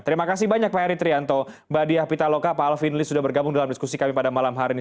terima kasih banyak pak eri trianto mbak diah pitaloka pak alvin lee sudah bergabung dalam diskusi kami pada malam hari ini